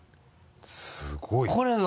すごいな。